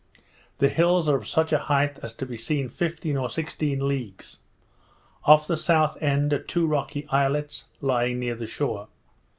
The hills are of such a height as to be seen fifteen or sixteen leagues. Off the south end, are two rocky islets, lying near the shore.